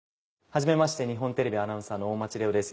はじめまして日本テレビアナウンサーの大町怜央です。